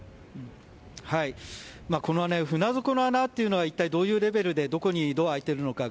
この船底の穴というのは一体どういうレベルでどこに、どう開いているのか